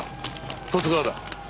十津川だ。